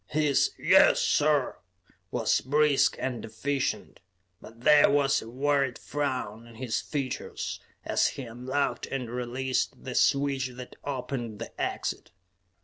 His "Yes, sir!" was brisk and efficient, but there was a worried frown on his features as he unlocked and released the switch that opened the exit.